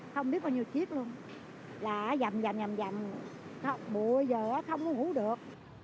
không biết bao nhiêu chiếc luôn là dầm dầm dầm dầm bụi giờ nó không có ngủ được